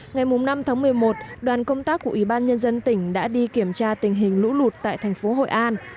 ngày năm tháng một mươi một đoàn công tác của ủy ban nhân dân tỉnh đã đi kiểm tra tình hình lũ lụt tại thành phố hội an